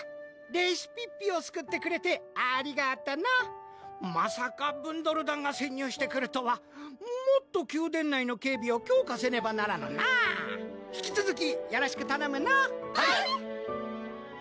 レシピッピをすくってくれてありがとのまさかブンドル団が潜入してくるとはもっと宮殿内の警備を強化せねばならぬな引きつづきよろしくたのむのはい！